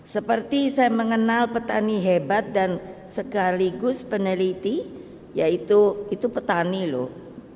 seperti saya mengenal petani hebat dan sekaligus peneliti yaitu petani loh